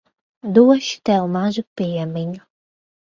Došu tev mazu piemiņu.